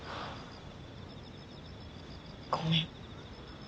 ごめん。